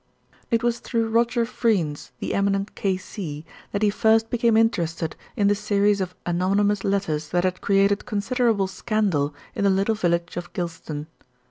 It was through Roger Freynes, the eminent K.C., that he first became interested in the series of anonymous letters that had created considerable scandal in the little village of Gylston.